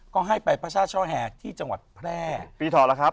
ก็ให้ไปพระศาสตร์ช่อแห่งที่จังหวัดแพร่ปีเทาะล่ะครับ